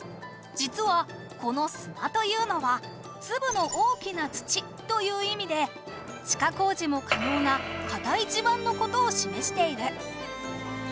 実はこの「砂」というのは粒の大きな土という意味で地下工事も可能な固い地盤の事を示している